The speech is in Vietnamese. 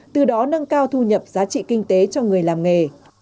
từ đó nâng cao thu nhập giá trị kinh tế cho người làm nghề